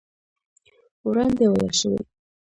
وړاندې ويل شوي